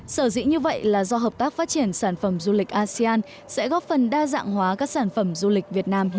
sở dĩ như vậy là do hợp tác phát triển sản phẩm du lịch asean sẽ góp phần đa dạng hóa các sản phẩm du lịch việt nam